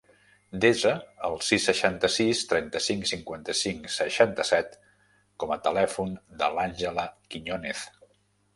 Desa el sis, seixanta-sis, trenta-cinc, cinquanta-cinc, seixanta-set com a telèfon de l'Àngela Quiñonez.